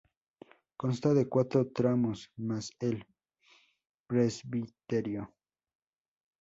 Consta de cuatro tramos más el presbiterio.